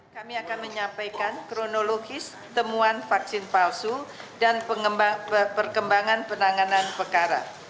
kami akan menyampaikan kronologis temuan vaksin palsu dan perkembangan penanganan perkara